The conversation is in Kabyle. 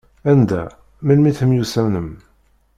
Anda, melmi temyussanem?